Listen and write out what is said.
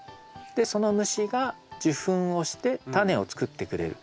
でその虫が受粉をしてタネをつくってくれる。